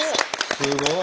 すごい！